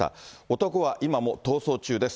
男は今も逃走中です。